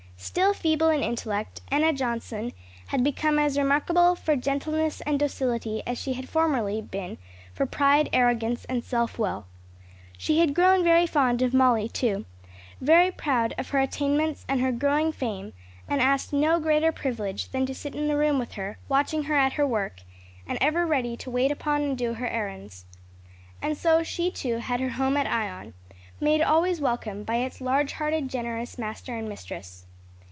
Still feeble in intellect, Enna Johnson had become as remarkable for gentleness and docility as she had formerly been for pride, arrogance and self will. She had grown very fond of Molly, too, very proud of her attainments and her growing fame, and asked no greater privilege than to sit in the room with her, watching her at her work, and ever ready to wait upon and do her errands. And so she, too, had her home at Ion, made always welcome by its large hearted, generous master and mistress.